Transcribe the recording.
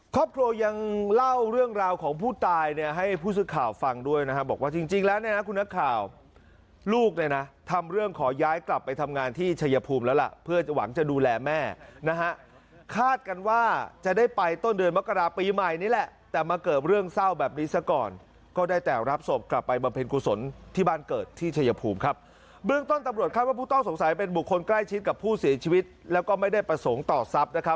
ครอบครัวยังเล่าเรื่องราวของผู้ตายเนี่ยให้ผู้ซึกข่าวฟังด้วยนะฮะบอกว่าจริงแล้วเนี่ยนะคุณนักข่าวลูกเลยนะทำเรื่องขอย้ายกลับไปทำงานที่เฉยภูมิแล้วล่ะเพื่อหวังจะดูแลแม่นะฮะคาดกันว่าจะได้ไปต้นเดือนมกราศปีใหม่นี่แหละแต่มาเกิดเรื่องเศร้าแบบนี้ซะก่อนก็ได้แต่รับศพกลับไปบำเพ็ญกุศลที่บ